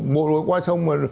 một người qua sông